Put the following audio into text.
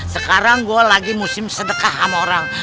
sekarang gue lagi musim sedekah sama orang